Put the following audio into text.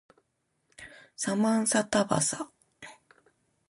サマンサタバサ